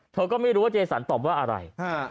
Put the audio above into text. เธอก็ไม่รู้ว่าเจสันตอบว่าอะไร